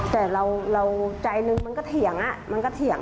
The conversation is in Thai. แต่เราใจหนึ่งมันก็เถียงมันก็เถียง